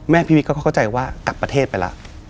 แม่พิวิตเขาก็เข้าใจว่ากลับประเทศไปแล้ว